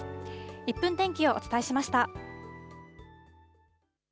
１分天気をお伝えしました。